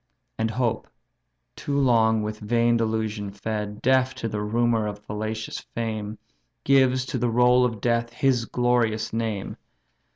And hope, too long with vain delusion fed, Deaf to the rumour of fallacious fame, Gives to the roll of death his glorious name!